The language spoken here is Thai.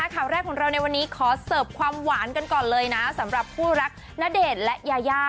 ข่าวแรกของเราในวันนี้ขอเสิร์ฟความหวานกันก่อนเลยนะสำหรับคู่รักณเดชน์และยายา